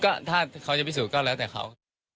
ก็ถ้าเขาจะพิสูจน์ก็แล้วแต่เขา